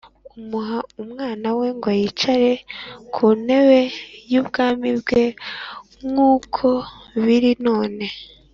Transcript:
umuha umwana we ngo yicare ku ntebe y’ubwami bwe nk’uko biri none